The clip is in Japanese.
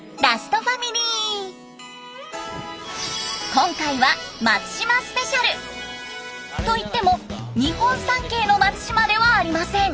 今回はと言っても日本三景の松島ではありません。